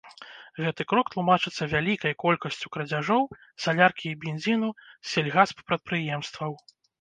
Гэты крок тлумачыцца вялікай колькасцю крадзяжоў саляркі і бензіну з сельгаспрадпрыемстваў.